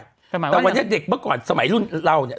แต่หมายความว่าแต่วันนี้เด็กเมื่อก่อนสมัยรุ่นเราเนี่ย